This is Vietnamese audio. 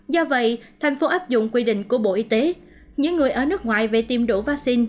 do vậy tp áp dụng quy định của bộ y tế những người ở nước ngoài về tiêm đủ vắc xin